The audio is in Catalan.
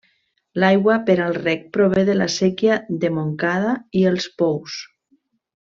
L'aigua per al reg prové de la séquia de Montcada i els pous.